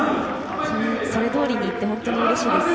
それどおりにいって本当にうれしいです。